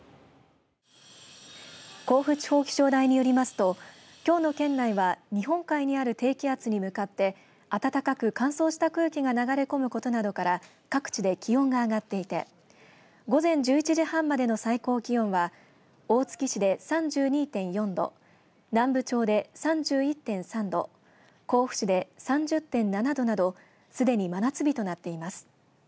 甲府地方気象台によりますときょうの県内は日本海にある低気圧に向かって暖かく乾燥した空気が流れ込むことなどから各地で気温が上がっていて午前１１時半までの最高気温は大月市で３２．４度南部町で３１．３度甲府市で３０．７度などすでに真夏日となっています。